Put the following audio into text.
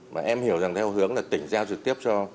mà em hiểu theo hướng là tỉnh giao trực tiếp